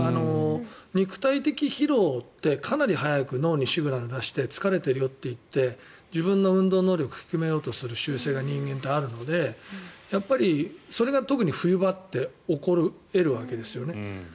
肉体的疲労ってかなり早く脳にシグナルを出して疲れているよといって自分の運動能力を低めようとする習性が人間ってあるのでやっぱり、それが特に冬場って起こり得るわけですよね。